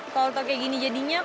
kalau tak kayak gini jadinya